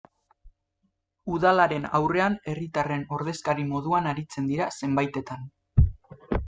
Udalaren aurrean herritarren ordezkari moduan aritzen dira zenbaitetan.